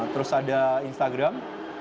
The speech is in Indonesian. terus ada instagram